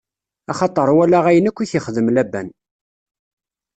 Axaṭer walaɣ ayen akk i k-ixdem Laban.